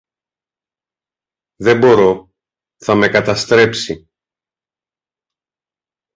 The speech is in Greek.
Δεν μπορώ, θα με καταστρέψει